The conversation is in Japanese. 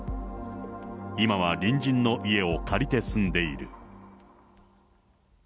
今は隣人の家を借りて住んでいる。